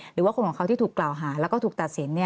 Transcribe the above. หรือว่าคนของเขาที่ถูกกล่าวหาแล้วก็ถูกตัดสิน